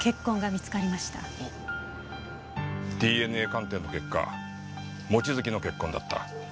ＤＮＡ鑑定の結果望月の血痕だった。